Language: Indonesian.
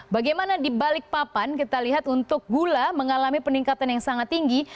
bagaimana di balik papan kita lihat untuk gula mengalami peningkatan yang sangat tinggi